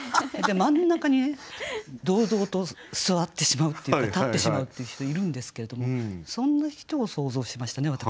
真ん中にね堂々と座ってしまうっていうか立ってしまうっていう人いるんですけれどもそんな人を想像しましたね